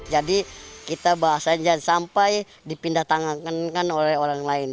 jadi kita bahasanya jangan sampai dipindah tangankan oleh orang lain